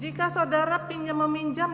jika saudara pinjam meminjam